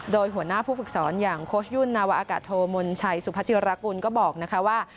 โดยหัวหน้าผู้ฝึกสอนอย่างโค้ชยุ่นนาวะอากาศโทมนชัยสุพจิรกุลก็บอกนะคะว่า